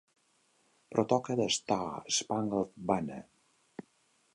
Però toca The Star Spangled Banner.